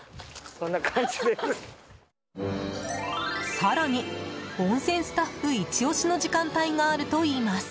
更に、温泉スタッフイチ押しの時間帯があるといいます。